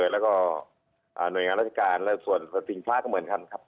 แล้วก็หน่วยงานรัชการแล้วส่วนสัตว์สิ่งพระก็เหมือนครับ